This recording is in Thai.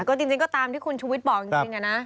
ก็จริงก็ตามที่คุณชุวิตบอกจริงนะ